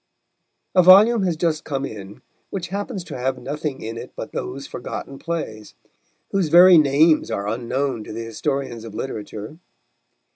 A volume has just come in which happens to have nothing in it but those forgotten plays, whose very names are unknown to the historians of literature.